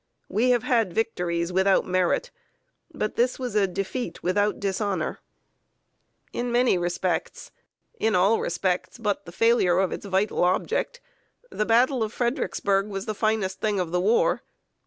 We have had victories without merit, but this was a defeat without dishonor. In many respects in all respects but the failure of its vital object the battle of Fredericksburg was the finest thing of the war.